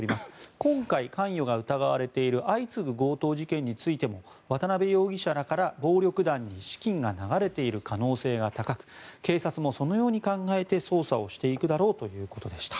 今回、関与が疑われている相次ぐ強盗事件についても渡邉容疑者らから暴力団に資金が流れている可能性が高く警察もそのように考えて捜査をしていくだろうということでした。